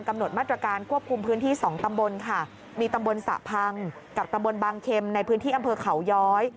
กับตำบลบางเข็มในพื้นที่อำเภอเขาย้อย